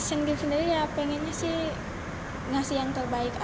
asian games sendiri ya pengennya sih ngasih yang terbaik aja